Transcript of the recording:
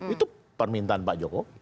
itu permintaan pak jokowi